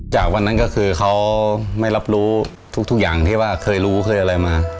จากวันนั้นก็คือเขาไม่รับรู้ทุกอย่างที่ว่าเคยรู้เคยอะไรมา